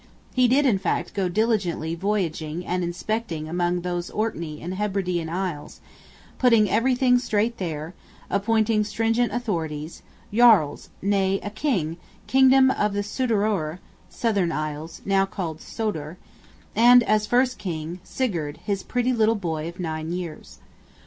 He did, in fact, go diligently voyaging and inspecting among those Orkney and Hebridian Isles; putting everything straight there, appointing stringent authorities, jarls, nay, a king, "Kingdom of the Suderoer" (Southern Isles, now called Sodor), and, as first king, Sigurd, his pretty little boy of nine years.